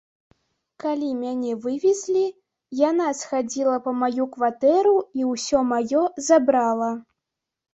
Калі мяне вывезлі, яна схадзіла па маю кватэру і ўсё маё забрала.